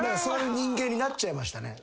そういう人間になっちゃいました。